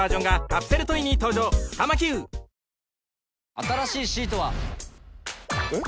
新しいシートは。えっ？